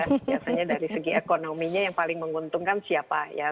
biasanya dari segi ekonominya yang paling menguntungkan siapa ya